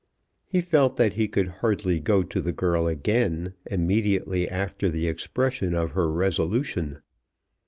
He felt that he could hardly go to the girl again immediately after the expression of her resolution.